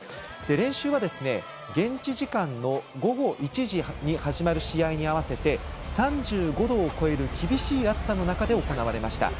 練習は、現地時間の午後１時に始まる試合に合わせて３５度を超える厳しい暑さの中で行われました。